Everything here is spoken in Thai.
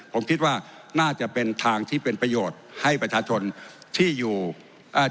ผมคิดว่าน่าจะเป็นทางที่เป็นประโยชน์ให้ประชาชนที่อยู่อ่า